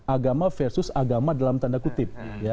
agama versus agama dalam tanda kutip